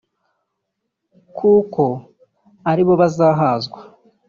kuko aribo bazahazwa